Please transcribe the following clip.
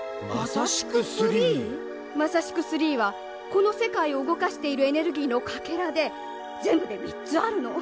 マサシク３はこのせかいをうごかしているエネルギーのかけらでぜんぶで３つあるの。